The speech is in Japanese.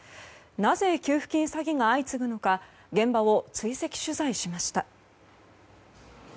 なぜ給付金詐欺が相次ぐのか現場を追跡取材しました。